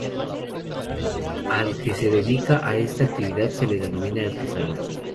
Al que se dedica a esta actividad se le denomina artesano.